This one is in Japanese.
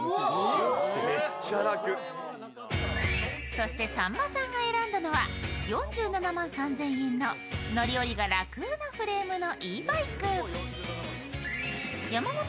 そして、さんまさんが選んだのは４７万３０００円の乗り降りが楽なフレームのＥ−バイク。